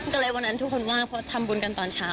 ก็เลยวันนั้นทุกคนว่างเพราะทำบุญกันตอนเช้า